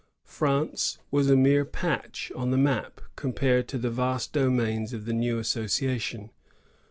France was a mere patch on the map, compared to the vast domains of the new association.